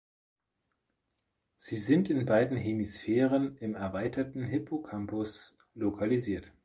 Sie sind in beiden Hemisphären im erweiterten Hippocampus lokalisiert.